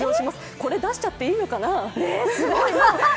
これ出しちゃっていいのかな。